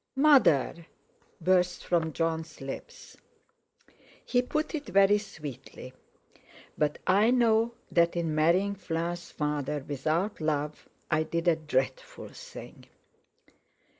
"Mother!" burst from Jon's lips. "He put it very sweetly, but I know that in marrying Fleur's father without love I did a dreadful thing.